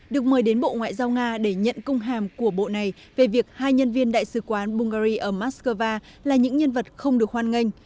được mời đến bộ ngoại giao nga để nhận công hàm của bộ này về việc hai nhân viên đại sứ quán bungary ở moscow là những nhân vật không được hoan nghênh